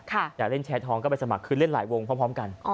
อยากเล่นแชร์ทองก็ไปสมัครคือเล่นหลายวงพร้อมกัน